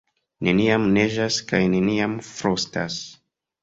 Neniam neĝas kaj neniam frostas.